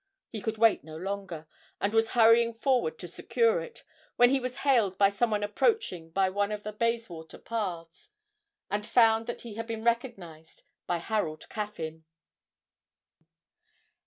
He could wait no longer, and was hurrying forward to secure it, when he was hailed by some one approaching by one of the Bayswater paths, and found that he had been recognised by Harold Caffyn.